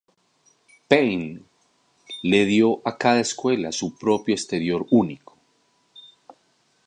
Payne le dio a cada escuela su propio exterior único.